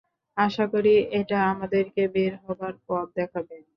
আশা করি এটা আমাদেরকে বের হবার পথ দেখাবে।